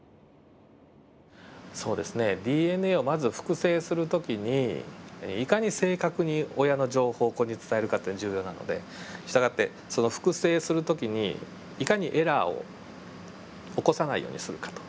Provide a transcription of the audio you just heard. そうですねＤＮＡをまず複製する時にいかに正確に親の情報を子に伝えるかって重要なので従ってその複製する時にいかにエラーを起こさないようにするかと。